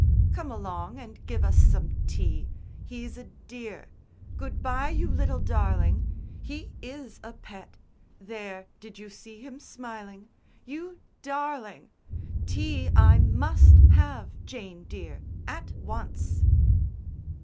"Come along and give us some tea. He's a dear. Good bye, you little darling. He is a pet. There, did you see him smiling? You darling. Tea I must have, Jane, dear at once."